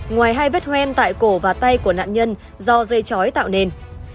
ngoài hai vết hoen tại cổ và tay của nạn nhân do dây chói tạo nên